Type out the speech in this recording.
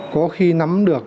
có khi nắm được